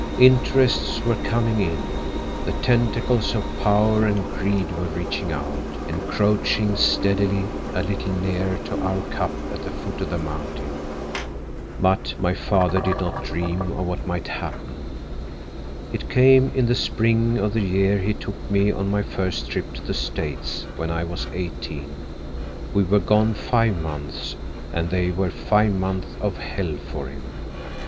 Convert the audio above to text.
"Interests were coming in; the tentacles of power and greed were reaching out, encroaching steadily a little nearer to our cup at the foot of the mountain. But my father did not dream of what might happen. It came in the spring of the year he took me on my first trip to the States, when I was eighteen. We were gone five months, and they were five months of hell for him.